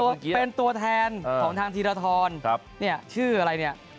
ตัวเป็นตัวแทนของทางธีรทรเนี่ยชื่ออะไรเนี่ย